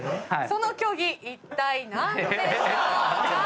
その競技いったい何でしょうか？